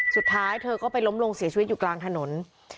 สุดท้ายเธอก็ไปล้มลงเสียชีวิตอยู่กลางถนน